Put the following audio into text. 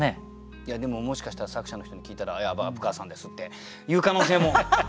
いやでももしかしたら作者の人に聞いたらいや虻川さんですっていう可能性も。